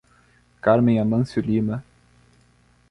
Carmem Amancio Lima